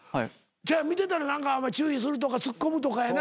見てたら何か注意するとかツッコむとかやな。